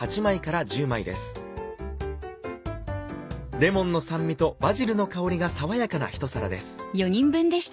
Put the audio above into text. レモンの酸味とバジルの香りが爽やかなひと皿です。